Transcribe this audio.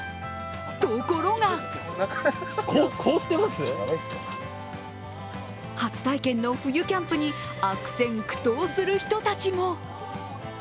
ところが初体験の冬キャンプに悪戦苦闘する人たちも。